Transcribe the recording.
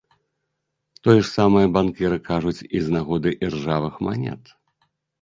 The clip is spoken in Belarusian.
Тое ж самае банкіры кажуць і з нагоды іржавых манет.